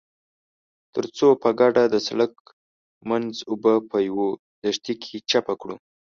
ترڅو په ګډه د سړک منځ اوبه په يوه لښتي کې چپه کړو.